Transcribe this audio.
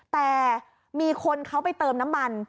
แต่มีคนเขาไปเติมน้ำมัน